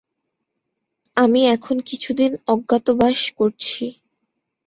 আমি এখন কিছুদিন অজ্ঞাতবাস করছি।